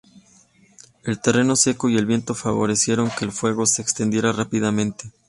El terreno seco y el viento favorecieron que el fuego se extendiera rápidamente.